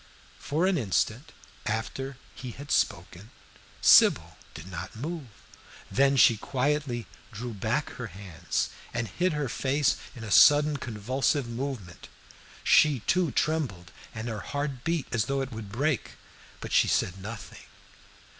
For an instant after he had spoken, Sybil did not move. Then she quietly drew back her hands and hid her face in a sudden, convulsive movement. She, too, trembled, and her heart beat as though it would break; but she said nothing.